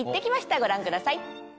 ご覧ください。